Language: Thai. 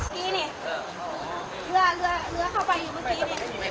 นี่เรือเข้าไปอยู่เมื่อกี้นี่